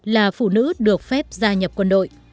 là phụ nữ được phép gia nhập quân đội